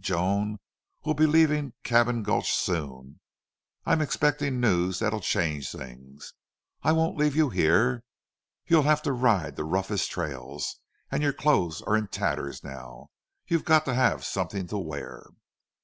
Joan, we'll be leaving Cabin Gulch soon. I'm expecting news that'll change things. I won't leave you here. You'll have to ride the roughest trails. And your clothes are in tatters now. You've got to have something to wear."